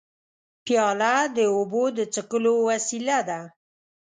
پیاله د اوبو د څښلو وسیله ده.